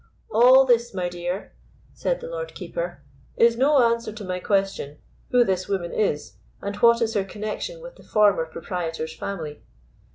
"All this, my dear," said the Lord Keeper, "is no answer to my question, who this woman is, and what is her connexion with the former proprietor's family?"